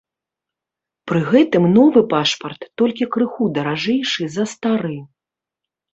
Пры гэтым новы пашпарт толькі крыху даражэйшы за стары.